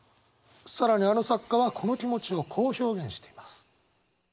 更にあの作家はこの気持ちをこう表現しています。